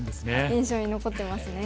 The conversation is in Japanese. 印象に残ってますね。